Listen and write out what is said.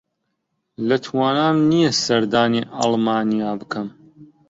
لە توانام نییە سەردانی ئەڵمانیا بکەم.